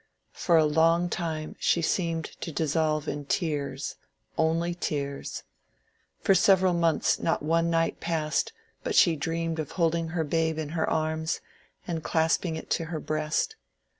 For a long time she seemed to dissolve in tears — only tears. For several months not one night passed but she dreamed of holding her babe in her arms, and clasping it to her breast.